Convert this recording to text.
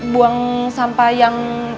buang sampah yang